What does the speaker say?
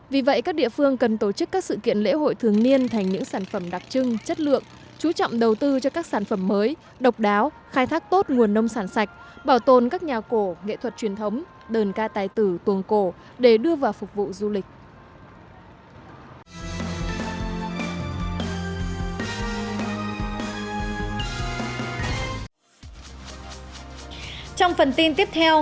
vì vậy các địa phương cần tổ chức các sự kiện lễ hội thường niên thành những sản phẩm đặc trưng chất lượng chú trọng đầu tư cho các sản phẩm mới độc đáo khai thác tốt nguồn nông sản sạch bảo tồn các nhà cổ nghệ thuật truyền thống đơn ca tái tử tuồng cổ để đưa vào phục vụ du lịch